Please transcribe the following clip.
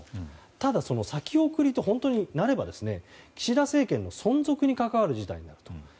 ただ、その先送りと本当になれば岸田政権の存続に関わる事態だと。